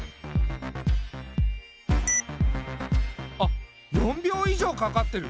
あっ４秒以上かかってる。